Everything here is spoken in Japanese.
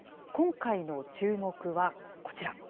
今回の注目は、こちら。